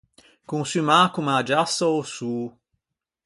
Consummâ comme a giassa a-o sô.